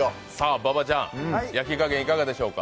馬場ちゃん、焼き加減いかがでしょうか？